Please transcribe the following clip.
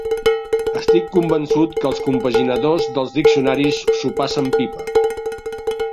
Estic convençut que els compaginadors dels diccionaris s'ho passen pipa.